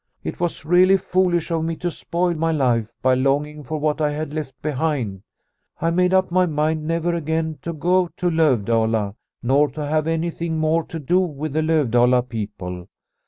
It was really foolish of me to spoil my life by longing for what I had left behind. I made up my mind never again to go to Lovdala, nor to have anything more to do with the Lovdala people.